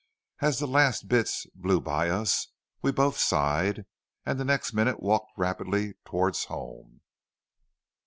As the last bits blew by us, we both sighed and the next minute walked rapidly towards home.